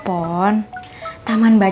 iya ya pak